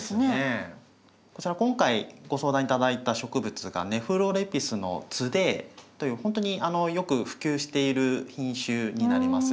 今回ご相談頂いた植物がネフロレピスのツデーというほんとによく普及している品種になります。